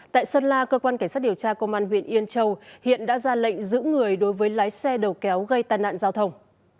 tại sơn la cơ quan cảnh sát điều tra công an huyện yên châu hiện đã ra lệnh giữ người đối với lái xe đầu kéo gây tai nạn giao thông